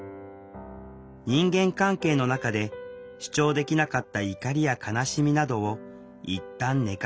人間関係の中で主張できなかった怒りや悲しみなどをいったん寝かせる。